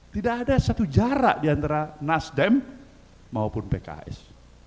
tidak ada satu jarak diantara nasdem maupun pks